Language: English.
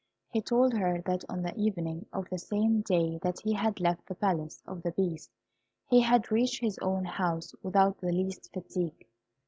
He told her that on the evening of the same day that he had left the Palace of the Beast, he had reached his own house without the least fatigue.